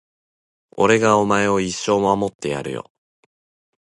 俺がお前を一生守ってやるよ